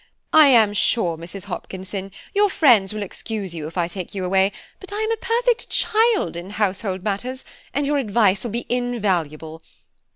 I am sure, Mrs. Hopkinson, your friends will excuse you if I take you away, but I am a perfect child in household matters, and your advice will be invaluable.